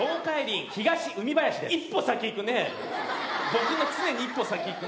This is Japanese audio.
僕の常に一歩先いくね。